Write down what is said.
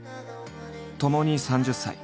ともに３０歳。